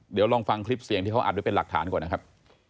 เดี๋ยวลองฟังคลิปเสียงที่เขาอัดไว้เป็นหลักฐานก่อนนะครับ